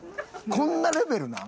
こんなレベルなん？